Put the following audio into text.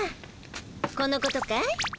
このことかい？